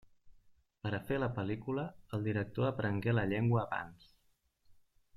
Per a fer la pel·lícula el director aprengué la llengua abans.